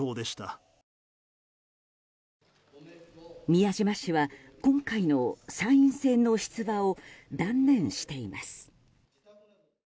宮島氏は今回の参院選の出馬を断念しています。